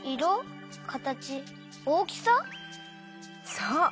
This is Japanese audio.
そう。